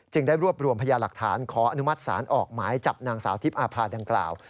ได้รวบรวมพยาหลักฐานขออนุมัติศาลออกหมายจับนางสาวทิพย์อาภาดังกล่าว